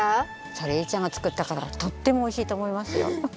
ソレイユちゃんが作ったからとってもおいしいとおもいますよ。